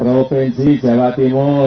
provinsi jawa timur